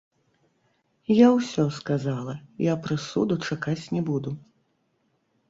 Я ўсё сказала, я прысуду чакаць не буду.